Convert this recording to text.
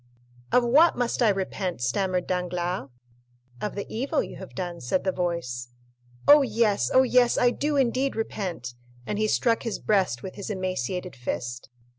"Of what must I repent?" stammered Danglars. "Of the evil you have done," said the voice. "Oh, yes; oh, yes, I do indeed repent." And he struck his breast with his emaciated fist.